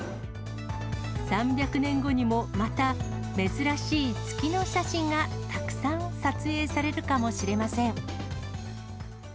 ３００年後にもまた珍しい月の写真がたくさん撮影されるかもしれません。